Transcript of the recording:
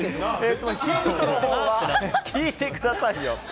聞いてくださいよ。